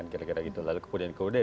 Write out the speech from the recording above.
kira kira gitu lalu kemudian kemudian